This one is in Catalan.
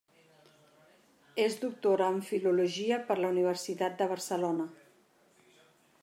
És doctora en Filologia per la Universitat de Barcelona.